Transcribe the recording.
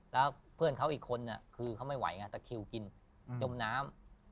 แล้วเพื่อนเขาอีกคนคือเขาไม่ไหวไงตะคิวกินจมน้ำ